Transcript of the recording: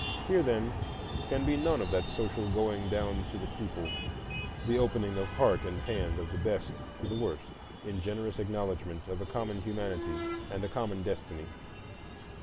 Here there can be none of that social going down to the people,—the opening of heart and hand of the best to the worst, in generous acknowledgment of a common humanity and a common destiny.